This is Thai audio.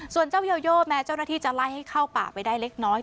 ส่วนเจ้าโยโยแม้เจ้าหน้าที่จะไล่ให้เข้าป่าไปได้เล็กน้อย